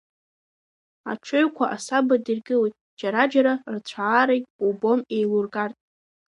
Аҽыҩқәа асаба дыргылоит, џьара-џьара рцәаарагь убом еилургартә.